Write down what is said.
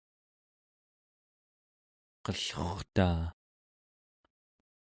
qellurtaa